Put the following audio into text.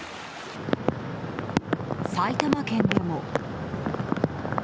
埼玉県でも。